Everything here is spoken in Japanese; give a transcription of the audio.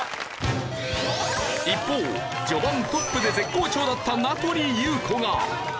一方序盤トップで絶好調だった名取裕子が。